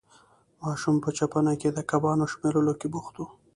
ماشوم په چینه کې د کبانو شمېرلو کې بوخت وو.